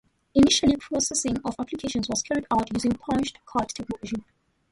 Initially, processing of applications was carried out using punched card technology.